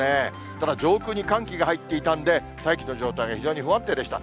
ただ上空に寒気が入っていたんで、大気の状態が非常に不安定でした。